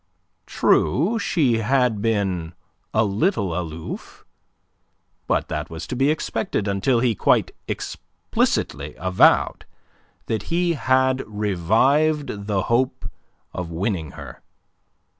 True, she had been a little aloof. But that was to be expected until he quite explicitly avowed that he had revived the hope of winning her.